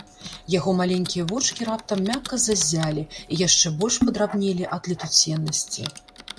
Яго маленькія вочкі раптам мякка заззялі і яшчэ больш падрабнелі ад летуценнасці.